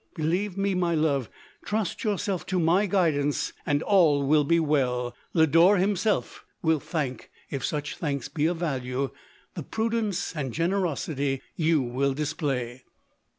Believe me, my love, trust yourself to my guidance, and all will be well ; Lodore himself will thank, 188 LODORE. if such thanks be of value, the prudence and generosity you will display."